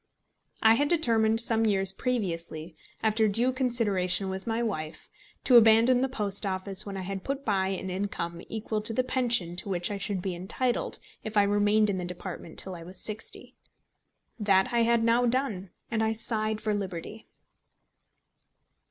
I had determined some years previously, after due consideration with my wife, to abandon the Post Office when I had put by an income equal to the pension to which I should be entitled if I remained in the department till I was sixty. That I had now done, and I sighed for liberty.